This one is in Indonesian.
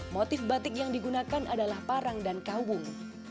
motif batik yang digunakan adalah parang dan kawung